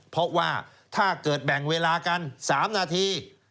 เพราะว่าถ้าเกิดแบ่งเวลากัน๓นาที